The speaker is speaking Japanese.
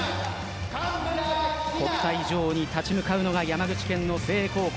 国体女王に立ち向かうのは山口県代表の誠英高校。